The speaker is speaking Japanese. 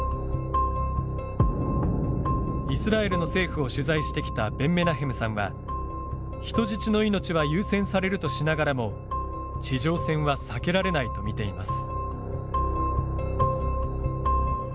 イスラエルの政府を取材してきたベンメナヘムさんは人質の命は優先されるとしながらも地上戦は避けられないと見ています。